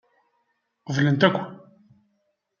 Qeblent akk.